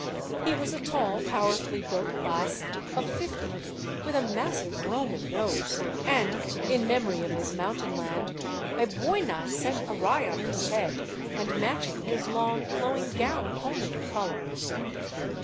He was a tall, powerfully built Basque of fifty, with a massive Roman nose and, in memory of his mountainland, a boina set awry on his head and matching his long, flowing gown only in color.